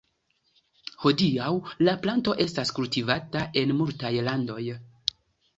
Hodiaŭ la planto estas kultivata en multaj landoj.